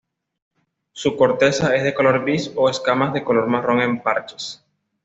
Su corteza es de color gris o escamas de color marrón en parches.